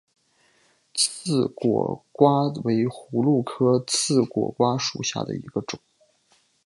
刺果瓜为葫芦科刺果瓜属下的一个种。